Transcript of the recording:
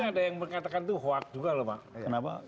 ada yang mengatakan itu huak juga lho pak